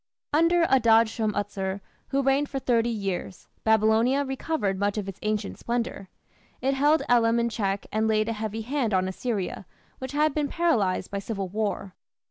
Under Adad shum utsur, who reigned for thirty years, Babylonia recovered much of its ancient splendour. It held Elam in check and laid a heavy hand on Assyria, which had been paralysed by civil war.